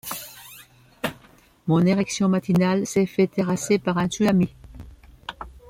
mon érection matinale s'est faite terrasser par un tsunami.